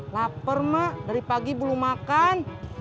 lapar mak dari pagi belum makan